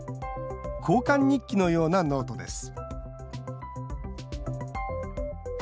交換日記のようなノートです